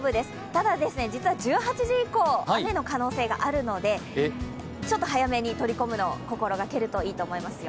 ただ、１８時以降、雨の可能性があるので、ちょっと早めに取り込むのを心がけるといいと思いますよ。